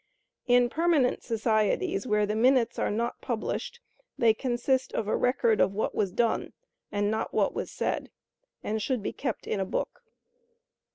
In permanent societies, where the minutes are not published, they consist of a record of what was done and not what was said, and should be kept in a book.